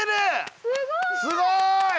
すごい！